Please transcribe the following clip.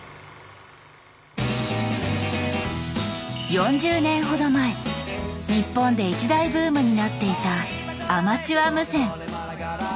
４０年ほど前ニッポンで一大ブームになっていたアマチュア無線。